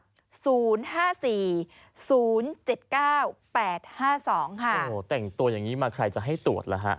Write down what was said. โอ้โหแต่งตัวอย่างนี้มาใครจะให้ตรวจล่ะฮะ